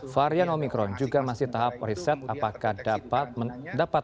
varian omicron juga masih tahap riset apakah dapat mencapai